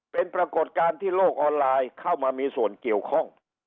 เป็นปรากฏการณ์ที่โลกออนไลน์เข้ามามีส่วนเกี่ยวข้อง